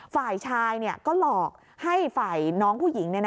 ฝ่ายชายก็หลอกให้ฝ่ายน้องผู้หญิง